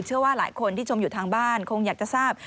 เชื่อว่าหลายคนที่ชมอยู่ทางบ้านคงอยากจะทราบ